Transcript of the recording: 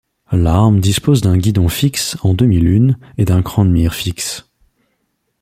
L'arme dispose d'un guidon fixe en demi-lune et d'un cran de mire fixe.